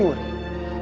kamu udah pulang